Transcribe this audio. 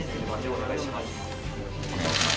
お願いします。